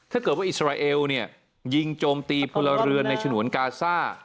ถ้าเกิดว่าอิสราเอลยิงโจมตีพลเรือนในฉนวนกาซ่า